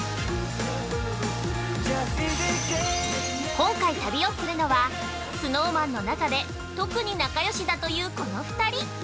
今回旅をするのは、ＳｎｏｗＭａｎの中で特に仲よしだというこの２人。